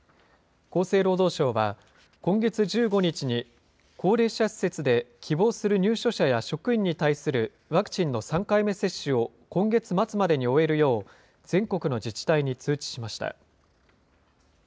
厚生労働省は、今月１５日に、高齢者施設で希望する入所者や職員に対するワクチンの３回目接種を今月末までに終えるよう、全国の自治体に通知しました。